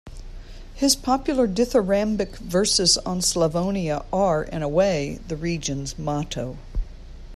His popular dithyrambic verses on Slavonia are, in a way, the region's motto.